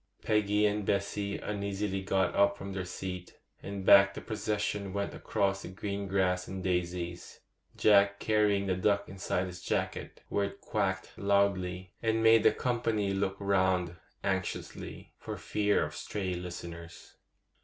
Peggy and Bessy uneasily got up from their seat, and back the procession went across the green grass and daisies, Jack carrying the duck inside his jacket, where it quacked loudly, and made the company look round anxiously, for fear of stray listeners.